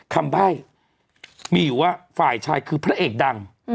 ใบ้มีอยู่ว่าฝ่ายชายคือพระเอกดัง